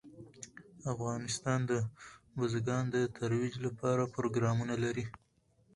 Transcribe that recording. افغانستان د بزګان د ترویج لپاره پروګرامونه لري.